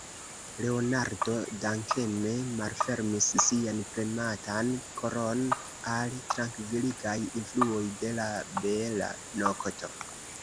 Leonardo dankeme malfermis sian prematan koron al trankviligaj influoj de la bela nokto.